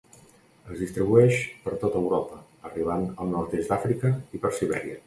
Es distribueix per tota Europa, arribant al Nord-oest d'Àfrica i per Sibèria.